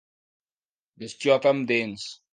Bestiota amb dents.